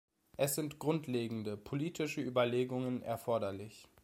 Es sind grundlegende politische Überlegungen erforderlich.